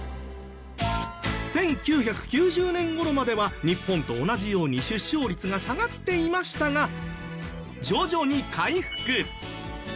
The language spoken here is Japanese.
１９９０年頃までは日本と同じように出生率が下がっていましたが徐々に回復。